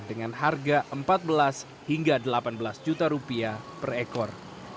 dengan harga rp empat belas hingga rp delapan belas juta per ekor